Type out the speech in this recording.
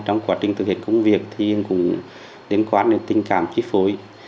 trong quá trình thực hiện công việc thì em cũng đến quán để tình cảm trích phối